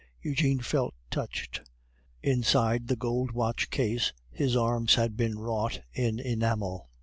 Eugene felt touched. Inside the gold watch case his arms had been wrought in enamel.